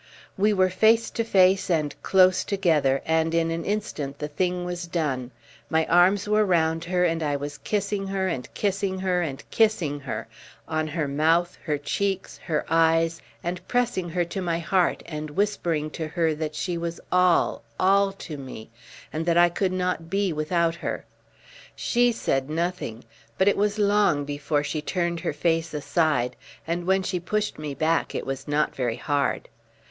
We were face to face and close together, and in an instant the thing was done. My arms were round her, and I was kissing her, and kissing her, and kissing her, on her mouth, her cheeks, her eyes, and pressing her to my heart, and whispering to her that she was all, all, to me, and that I could not be without her. She said nothing, but it was long before she turned her face aside, and when she pushed me back it was not very hard.